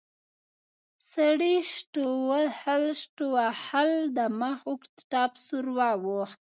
سړي شټوهل د مخ اوږد ټپ سور واوښت.